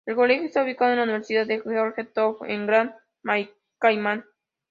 El Colegio está ubicado en la Universidad de George Town en Gran Caimán.